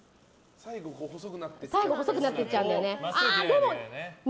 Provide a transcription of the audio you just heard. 最後が細くなっていっちゃうんだよね。